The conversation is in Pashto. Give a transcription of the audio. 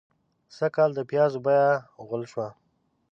سږکال د پيازو بيه غول شوه.